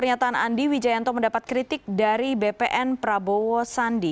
andi widjajanto mendapat kritik dari bpn prabowo sandi